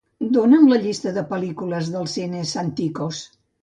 Dóna'm la llista de pel·lícules dels cines Santikos